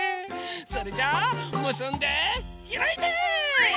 それじゃあむすんでひらいて！